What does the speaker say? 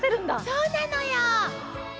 そうなのよ。